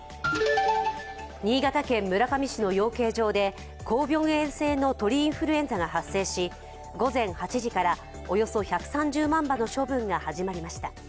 新潟県村上市の養鶏場で高病原性の鳥インフルエンザが発生し午前８時からおよそ１３０万羽の処分が始まりました。